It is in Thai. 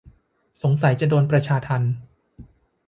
สงสัยจะโดนประชาทัณฑ์